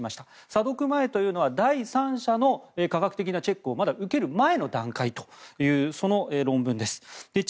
査読前というのは第三者の科学的なチェックをまだ受ける前の段階の論文ということです。